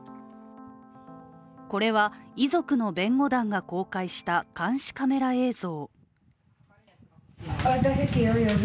これは遺族の弁護団が公開した監視カメラ映像。